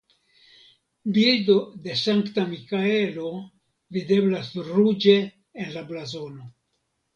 Bildo de Sankta Mikaelo videblas ruĝe en la blazono.